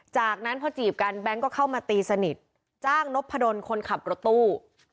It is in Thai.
จากนั้นพอจีบกันแบงค์ก็เข้ามาตีสนิทจ้างนพดลคนขับรถตู้